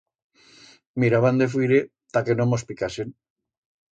Miraban de fuire ta que no mos picasen.